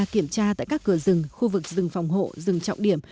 kiểm tra tại các cửa rừng khu vực rừng phòng hộ rừng trọng điểm